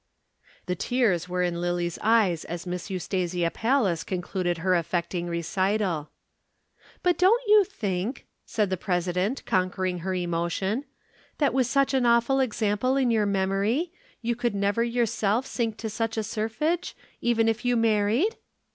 The tears were in Lillie's eyes as Miss Eustasia Pallas concluded her affecting recital. "But don't you think," said the President, conquering her emotion, "that with such an awful example in your memory, you could never yourself sink into such a serfage, even if you married?"